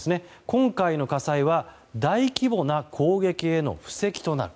今回の火災は大規模な攻撃への布石となる。